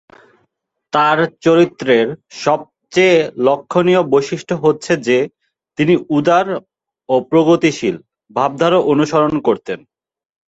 তাঁর চরিত্রের সবচেয়ে লক্ষণীয় বৈশিষ্ট্য হচ্ছে যে, তিনি উদার ও প্রগতিশীল ভাবধারা অনুসরণ করতেন।